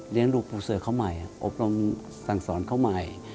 ลูกปู่เสือเขาใหม่อบรมสั่งสอนเขาใหม่